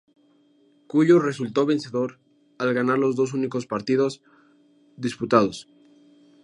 Cuyo resultó vencedor al ganar los dos únicos partidos disputados.